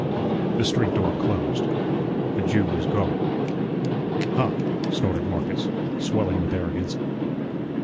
The street door closed. The Jew was gone. "Huh!" snorted Marcus, swelling with arrogance.